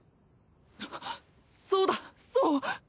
呂叩そうだそう！